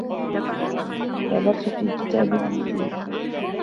نَظَرْتُ فِي كِتَابٍ مُفِيدٍ.